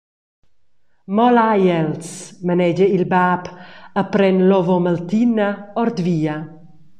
«Mo lai els», manegia il bab e pren l’ovomaltina ord via.